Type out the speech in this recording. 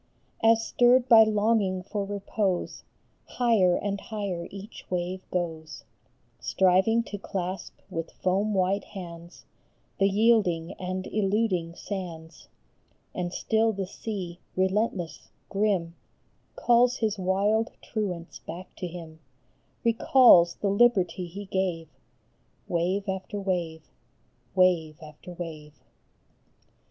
As stirred by longing for repose Higher and higher each wave goes, Striving to clasp with foam white hands The yielding and eluding sands ; And still the sea, relentless, grim, Calls his wild truants back to him, Recalls the liberty he gave Wave after wave, wave after wave.